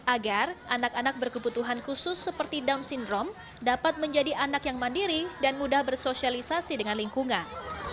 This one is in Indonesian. agar anak anak berkebutuhan khusus seperti down syndrome dapat menjadi anak yang mandiri dan mudah bersosialisasi dengan lingkungan